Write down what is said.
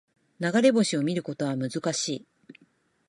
流れ星を見ることは難しい